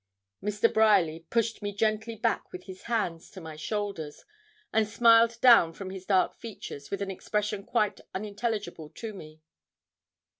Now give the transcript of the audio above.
Mr. Bryerly pushed me gently back with his hands to my shoulders, and smiled down from his dark features with an expression quite unintelligible to me.